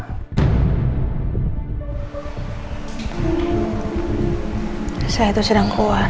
pada saat kejadian sebenarnya kamu kemana